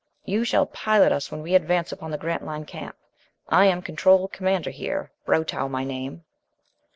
"You shall pilot us when we advance upon the Grantline camp. I am control commander here Brotow, my name."